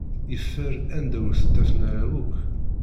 Yeffer anda ur t-ttafen ara akk.